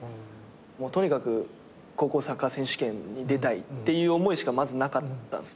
もうとにかく高校サッカー選手権に出たいっていう思いしかまずなかったんすけど。